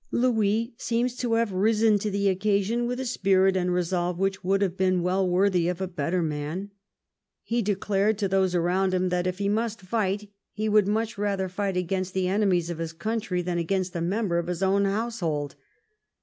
Louis seems to have risen to the occasion with a spirit and resolve which would have been well worthy of a better man. He declared to those around him that, 363 THE REIGN OF QUEEN ANNS if he must fight, he would much rather fight against the enemies of his country than against a member of his own household.